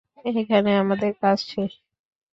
এখানে আমাদের কাজ শেষ।